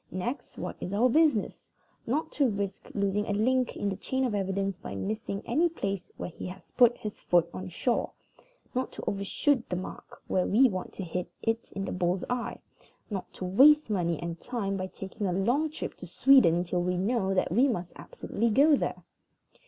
Next, what is our business? Not to risk losing a link in the chain of evidence by missing any place where he has put his foot on shore. Not to overshoot the mark when we want to hit it in the bull's eye. Not to waste money and time by taking a long trip to Sweden till we know that we must absolutely go there.